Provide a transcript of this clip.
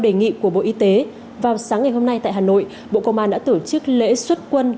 đề nghị của bộ y tế vào sáng ngày hôm nay tại hà nội bộ công an đã tổ chức lễ xuất quân